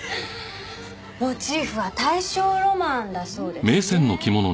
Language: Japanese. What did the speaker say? モチーフは大正ロマンだそうですね。